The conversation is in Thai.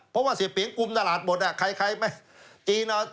เพราะว่าเสียเปลี่ยงกุมตลาดหมด